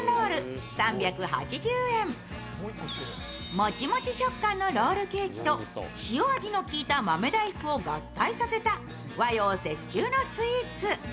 もちもち食感のロールケーキと塩味のきいた豆大福を合体させた和洋折衷のスイーツ。